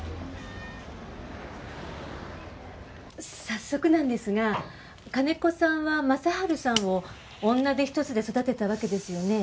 早速なんですが金子さんは正春さんを女手一つで育てたわけですよね？